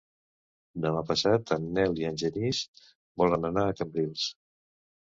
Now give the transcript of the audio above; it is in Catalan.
Demà passat en Nel i en Genís volen anar a Cambrils.